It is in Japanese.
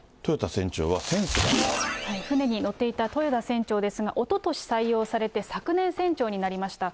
船に乗っていた豊田船長ですが、おととし採用されて、昨年、船長になりました。